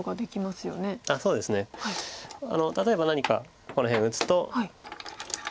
例えば何かこの辺打つと。